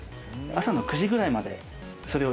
朝の９時ぐらいまでそれをやりまして。